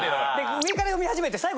上から読み始めて最後